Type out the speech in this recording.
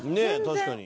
確かに。